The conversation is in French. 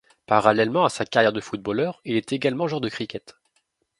Parallèlement à sa carrière de footballeur, il est également joueur de cricket.